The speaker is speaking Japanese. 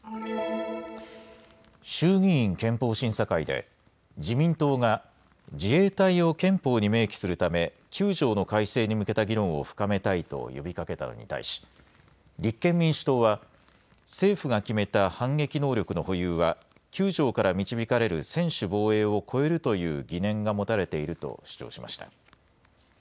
衆議院憲法審査会で、自民党が自衛隊を憲法に明記するため、９条の改正に向けた議論を深めたいと呼びかけたのに対し、立憲民主党は、政府が決めた反撃能力の保有は、９条から導かれる専守防衛を超えるという疑念が持たれていると主張しました。